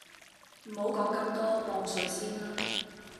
唔好講咁多，磅水先啦！